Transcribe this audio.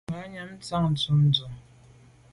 Ngabnyàm tshàm ntshob ndù.